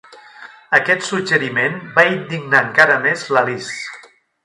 Aquest suggeriment va indignar encara més l'Alice.